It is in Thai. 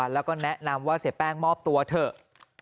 แล้วก็แนะนำว่าเสียแป้งมอบตัวเถอะ